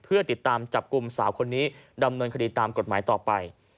เพื่อติดตามจับกลุ่มสาวคนนี้ดำเนินคดีตามกฎหมายต่อไป